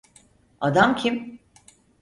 Adam kim?